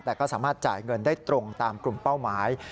แต่ก็สามารถจ่ายเงินได้ตรงตามกลุ่มเป้าหมาย